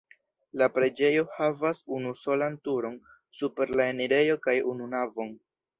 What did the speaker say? La preĝejo havas unusolan turon super la enirejo kaj unu navon.